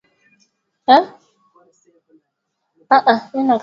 katika zaidi ya nchi mia moja themanini na kati ya nchi zinazoongoza